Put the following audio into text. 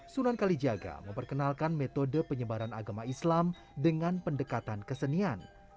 sunan kalijaga memperkenalkan metode penyebaran agama islam dengan pendekatan kesenian